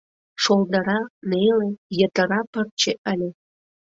Шолдыра, неле, йытыра пырче ыле.